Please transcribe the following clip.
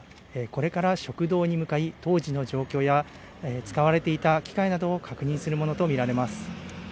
これから食堂に向かい、当時の状況や、使われていた機械などを確認するものと見られます。